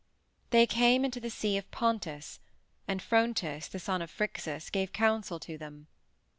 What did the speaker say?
They came into the Sea of Pontus, and Phrontis, the son of Phrixus, gave counsel to them.